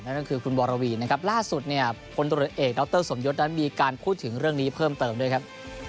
นั่นก็คือคุณบรวีนะครับล่าสุดเนี่ยพลตรวจเอกดรสมยศนั้นมีการพูดถึงเรื่องนี้เพิ่มเติมด้วยครับ